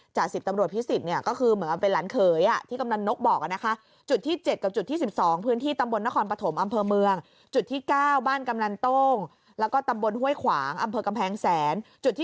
จ่าสิทธิ์ตำรวจพิศิษฐ์เนี่ยก็คือเหมือนว่าเป็นหลานเคย